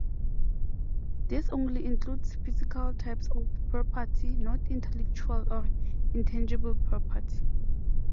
This only includes physical types of property, not intellectual or intangible property.